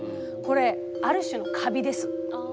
これある種のカビです。